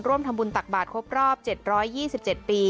ร่วมทำบุญตักบาทครบรอบเจ็ดร้อยยี่สิบเจ็ดปี